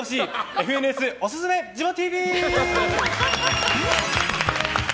ＦＮＳおすすめジモＴＶ！